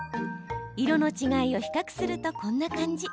色の違いを比較するとこんな感じ。